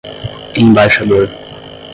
embaixador